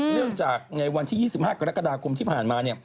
เนื่องจากในวันที่๒๕กรกฎาคมที่ผ่านมา